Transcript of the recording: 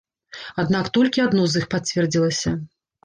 Аднак толькі адно з іх пацвердзілася.